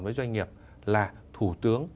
với doanh nghiệp là thủ tướng